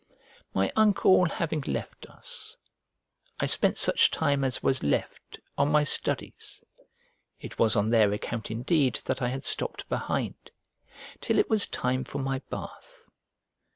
My uncle having left us, I spent such time as was left on my studies (it was on their account indeed that I had stopped behind), till it was time for my bath.